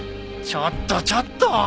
ちょっとちょっと！